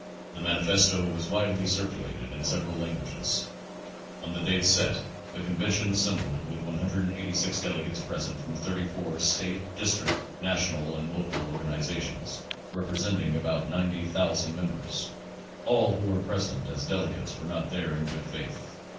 The Manifesto was widely circulated in several lan guages. On the date set the convention assembled with 186 delegates present from 34 state, district, national and local organizations representing about 90,000 members. All who were present as delegates were not there in good faith.